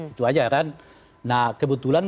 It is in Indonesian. itu aja kan nah kebetulan